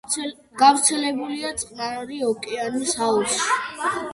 გავრცელებულია წყნარი ოკეანის აუზში.